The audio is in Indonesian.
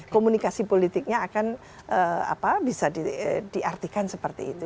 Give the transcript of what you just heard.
komunikasi politiknya akan bisa diartikan seperti itu